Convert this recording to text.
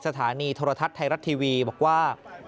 สถานีโทรทัศน์ไทยรัฐทีวีบอกว่า